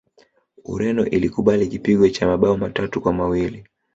ureno ilikubali kipigo cha mabao matatu kwa mawili